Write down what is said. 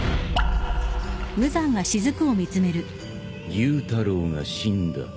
妓夫太郎が死んだ。